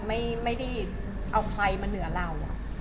ไม่ได้เอาใครมาเหนือเรา